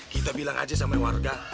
kita bilang aja sama warga